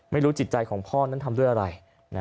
จิตใจของพ่อนั้นทำด้วยอะไร